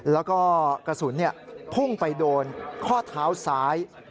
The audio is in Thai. แล้วก็กระสุนพุ่งไปโดนข้อเท้าซ้าย